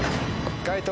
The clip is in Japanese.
解答